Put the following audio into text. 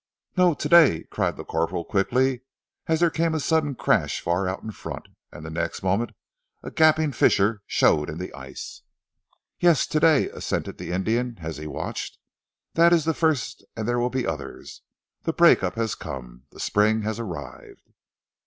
"No today!" cried the corporal quickly, as there came a sudden crash far out in front, and the next moment a gaping fissure showed in the ice. "Yes, today!" assented the Indian as he watched. "That is the first, and there will be others. The break up has come. The spring has arrived."